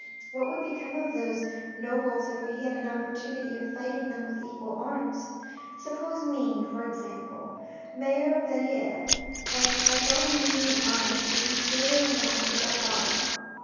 What would become of those nobles if we had an opportunity of fighting them with equal arms. Suppose me, for example, mayor of Verrieres, and as well meaning and honest as M. de Renal is at bottom.